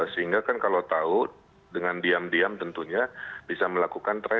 sehingga kan kalau tahu dengan diam diam tentunya bisa melakukan